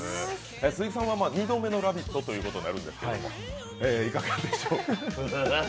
鈴木さんは２度目の「ラヴィット！」ということになるんですけどいかがでしょうか？